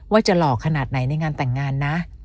หล่อขนาดไหนในงานแต่งงานนะ